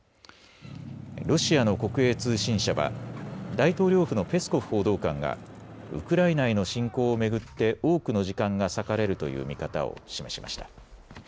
ロシアの国営通信社は大統領府のペスコフ報道官がウクライナへの侵攻を巡って多くの時間が割かれるという見方を示しました。